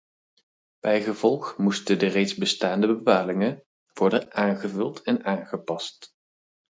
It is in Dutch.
Bijgevolg moesten de reeds bestaande bepalingen worden aangevuld en aangepast.